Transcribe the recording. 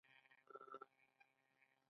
دا سافټویر د شرکت کارونه اسانه کوي.